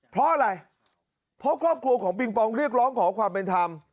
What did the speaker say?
เพราะอะไรเพราะครอบครัวของปิงปองเรียกร้องขอความเป็นธรรม